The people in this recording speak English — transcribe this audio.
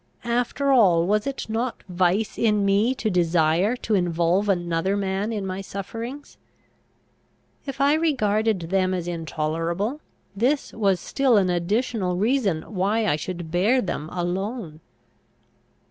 After all, was it not vice in me to desire to involve another man in my sufferings? If I regarded them as intolerable, this was still an additional reason why I should bear them alone.